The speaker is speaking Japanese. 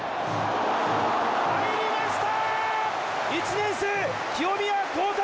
入りました！